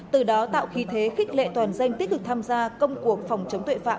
từ đó tạo khí thế khích lệ toàn dân tích cực tham gia công cuộc phòng chống tội phạm